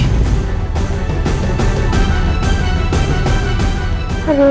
aduh ya ampun gimana nih